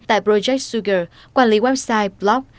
tại project sugar quản lý website block